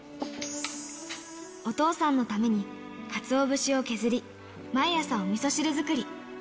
お父さんのためにかつお節を削り、毎朝、おみそ汁作り。